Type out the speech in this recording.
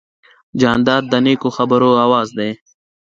جانداد د نیکو خبرو آواز دی.